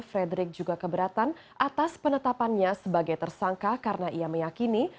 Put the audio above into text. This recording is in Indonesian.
frederick juga keberatan atas penetapannya sebagai tersangka karena ia meyakini